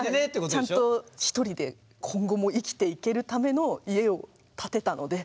ちゃんと１人で今後も生きていけるための家を建てたので。